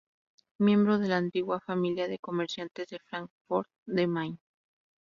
Miembro de la antigua familia de comerciantes de Francfort de Main.